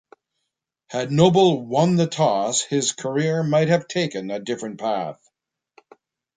Had Noble won the toss, his career might have taken a different path.